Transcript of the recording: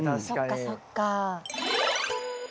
そっかそっか。